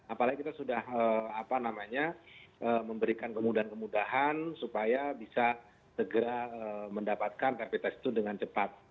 apalagi kita sudah memberikan kemudahan kemudahan supaya bisa segera mendapatkan rapid test itu dengan cepat